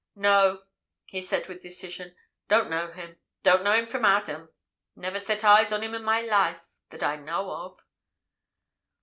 "No!" he said with decision. "Don't know him—don't know him from Adam. Never set eyes on him in my life, that I know of."